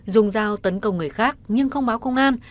dung rào tấn công người khác nhưng không báo công an